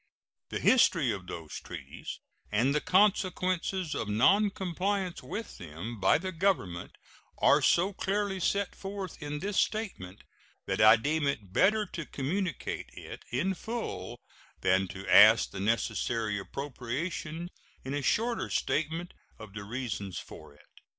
The history of those treaties and the consequences of noncompliance with them by the Government are so clearly set forth in this statement that I deem it better to communicate it in full than to ask the necessary appropriation in a shorter statement of the reasons for it.